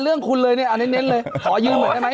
เรื่องคุณเลยเนี่ยขายืมเหมือนได้ไหม